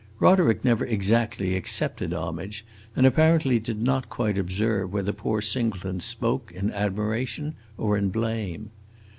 Roderick never exactly accepted homage, and apparently did not quite observe whether poor Singleton spoke in admiration or in blame.